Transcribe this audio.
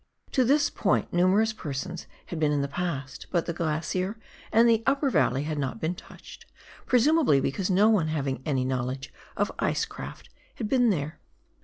To this point numerous persons had been in the past, but the glacier and the upper valley had not been touched, presumably because no one having any knowledge of ice craft bad been there.